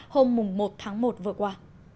hôm một tháng một vừa qua